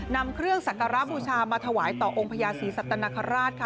นำเครื่องสักการะบูชามาถวายต่อองค์พญาศรีสัตนคราชค่ะ